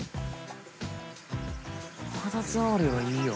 肌触りはいいよ。